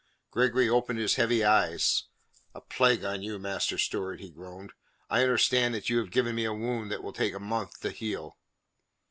Gregory opened his heavy eyes. "A plague on you, Master Stewart," he groaned. "I understand that you have given me a wound that will take a month to heal."